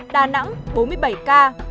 đà nẵng bốn mươi bảy ca